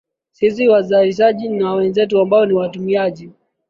sisi wazalishaji na wenzetu ambao ni watumiaji